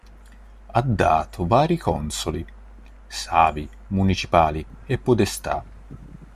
Ha dato vari consoli, savi municipali e podestà.